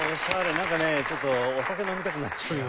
なんかねちょっとお酒飲みたくなっちゃうようなね。